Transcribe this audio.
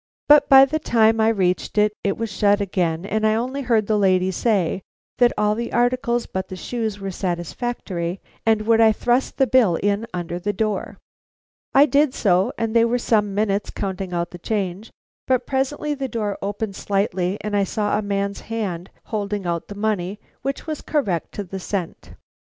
But by the time I reached it, it was shut again, and I only heard the lady say that all the articles but the shoes were satisfactory, and would I thrust the bill in under the door. I did so, and they were some minutes counting out the change, but presently the door opened slightly, and I saw a man's hand holding out the money, which was correct to the cent.